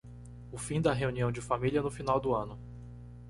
O fim da reunião de família no final do ano